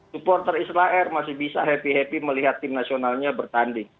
supporter israel masih bisa happy happy melihat tim nasionalnya bertanding